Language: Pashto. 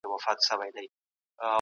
ایا نوي کروندګر تور ممیز اخلي؟